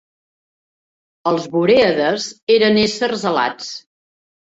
Els borèades eren éssers alats.